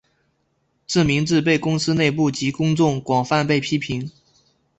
这名字被公司内部及公众广泛被批评。